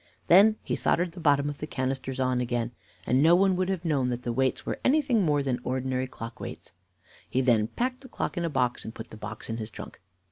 Then he soldered the bottom of the canisters on again, and no one would have known that the weights were anything more than ordinary clock weights. He then packed the clock in a box, and put the box in his trunk.